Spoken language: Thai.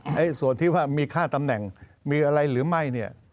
ในส่วนที่ว่ามีค่าตำแหน่งมีอะไรหรือไม่เนี่ย